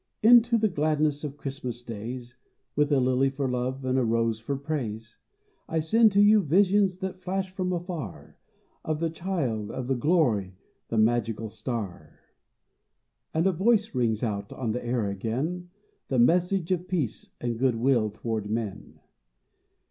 Into the gladness of Christmas days (With a lily for love and a rose for praise) I send to you visions that flash from afar Of the Child, of the glory, the magical Star ; And a voice rings out on the air again That message of peace and good will toward men.